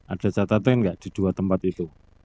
ada catatan nggak di dua tempat itu